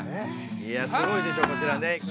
いやすごいでしょこちらね。